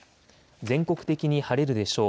全国的に晴れるでしょう。